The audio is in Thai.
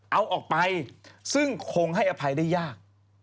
เอาออกไปซึ่งคงให้อภัยได้ยาก